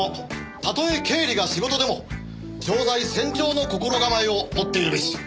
たとえ経理が仕事でも常在戦場の心構えを持っているべし。